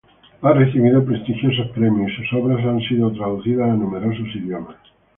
Ha recibido prestigiosos premios y sus obras han sido traducidas a numerosos idiomas.